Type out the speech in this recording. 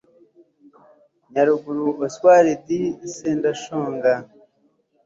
Nyaruguru Oswaldi Sendashonga